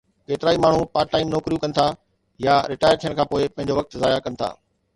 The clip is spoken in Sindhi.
ڪيترائي ماڻهو پارٽ ٽائيم نوڪريون ڪن ٿا يا رٽائر ٿيڻ کان پوءِ پنهنجو وقت ضايع ڪن ٿا